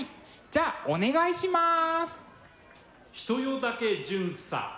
じゃあお願いします。